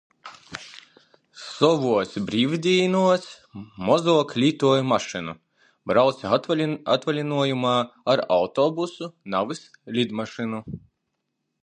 Sovuos breivdīnuos mozuok lītoju mašynu. Braucu atvalinuojumā ar autobusu, navys lidmašynu.